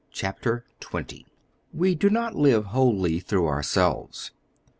Chapter XX We do not live wholly through ourselves.